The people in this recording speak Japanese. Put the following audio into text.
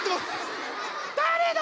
誰だ！